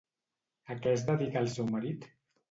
A què es dedica el seu marit?